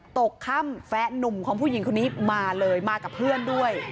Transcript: ตกค่ำแฟนนุ่มของผู้หญิงคนนี้มาเลยมากับเพื่อนด้วย